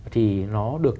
thì nó được